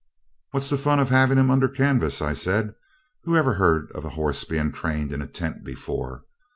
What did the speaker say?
'What's the fun of having him under canvas?' I said. 'Who ever heard of a horse being trained in a tent before?